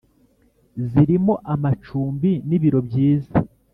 zirimo amacumbi n’ibiro byiza